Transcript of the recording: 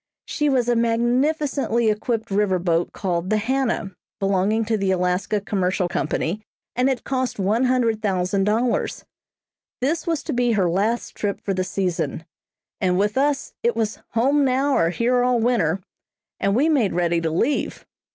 She was a magnificently equipped river boat called the "Hannah," belonging to the Alaska Commercial Company, and had cost one hundred thousand dollars. This was to be her last trip for the season, and with us it was "home now, or here all winter," and we made ready to leave.